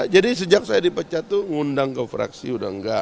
jadi sejak saya di pecah itu mengundang ke fraksi sudah enggak